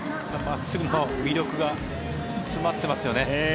真っすぐの魅力が詰まってますよね。